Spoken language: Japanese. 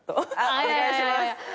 お願いします。